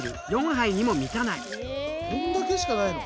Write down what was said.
そんだけしかないの？